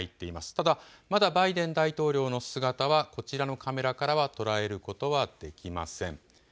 ただ、まだバイデン大統領の姿はこちらのカメラからは捉えることはできません。